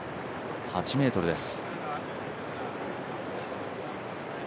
８ｍです。